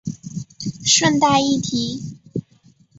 顺带一提